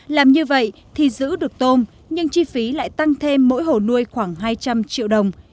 làm như vậy thì giữ được tôm nhưng chi phí lại tăng thêm mỗi hồ nuôi khoảng hai trăm linh triệu đồng